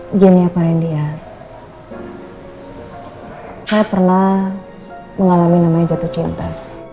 begini ya pak rendy ya saya pernah mengalami namanya jatuh cinta